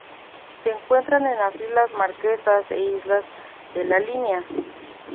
Se encuentran en las Islas Marquesas e Islas de la Línea.